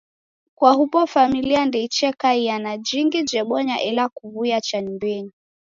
Kwa huw'o familia ndeichekaia na jingi jebonya ela kuw'uya cha nyumbenyi.